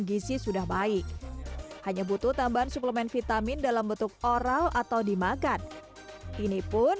gizi sudah baik hanya butuh tambahan suplemen vitamin dalam bentuk oral atau dimakan ini pun